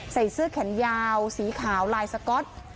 ใส่เสื้อแขนยาวสีขาวลายสก๊อต